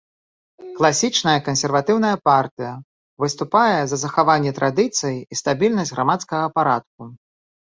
Класічная кансерватыўная партыя, выступае за захаванне традыцый і стабільнасць грамадскага парадку.